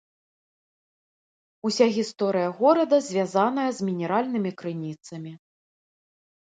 Уся гісторыя горада звязаная з мінеральнымі крыніцамі.